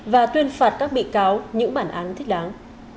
và tuyên phạt các bị cáo những bản án thích đáng